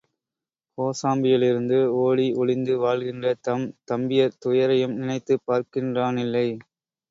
கோசாம்பியிலிருந்து ஒடி ஒளிந்து வாழ்கின்ற தம் தம்பியர் துயரையும் நினைத்துப் பார்க்கின்றானில்லை.